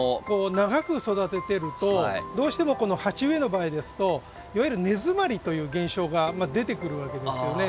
長く育ててるとどうしてもこの鉢植えの場合ですといわゆる根詰まりという現象が出てくるわけですよね。